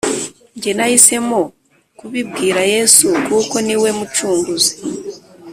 Njye nahisemo kubibwira yesu kuko niwe mucunguzi